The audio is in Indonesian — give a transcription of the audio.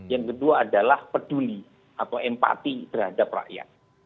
yang kedua adalah peduli atau empati terhadap rakyat